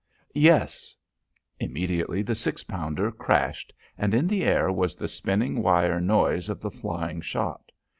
"Yes." Immediately the six pounder crashed, and in the air was the spinning wire noise of the flying shot.